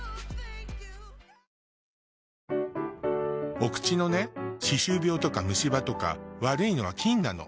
お口のね歯周病とか虫歯とか悪いのは菌なの。